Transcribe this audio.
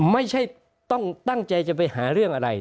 ไม่ใช่ต้องตั้งใจจะไปหาเรื่องอะไร